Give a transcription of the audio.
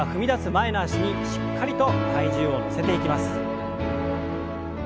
前の脚にしっかりと体重を乗せていきます。